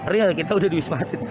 real kita udah di wisma atlet